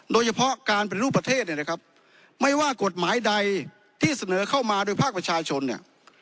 โดยเฉพาะการเป็นรูปประเทศเนี่ยนะครับไม่ว่ากฎหมายใดที่เสนอเข้ามาโดยภาคประชาชนเนี่ย